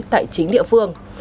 tại chính địa phương